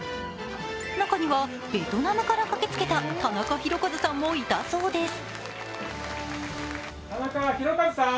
中には、ベトナムから駆けつけたタナカヒロカズさんもいたそうです。